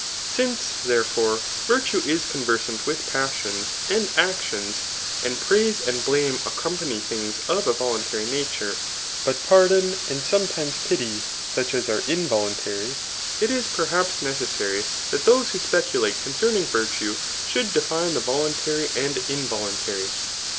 giNCC^ therefore, virtue is conversant with passions and actions^ and praise and blame accompany things of a voluntary nature, but psfirdon, and sometimes pity, such as are voluntary, it is perhaps necessary that those who ^>eculate concerning virtue, should define the voluntary and involuntary.